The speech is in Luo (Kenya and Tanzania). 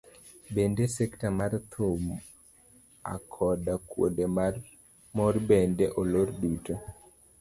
Bende sekta mar thum akoda kuonde mor bende olor duto.